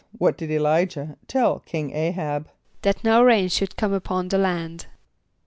= What did [+E] l[=i]´jah tell King [=A]´h[)a]b? =That no rain should come upon the land.